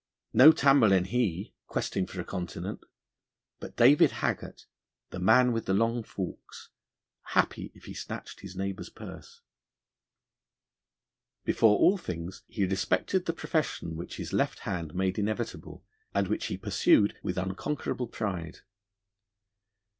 No Tamerlane he, questing for a continent, but David Haggart, the man with the long forks, happy if he snatched his neighbour's purse. Before all things he respected the profession which his left hand made inevitable, and which he pursued with unconquerable pride.